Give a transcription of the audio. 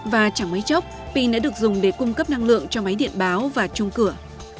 và chẳng mấy chốc pin đã được dùng để cung cấp năng lượng cho máy điện báo và chung cửa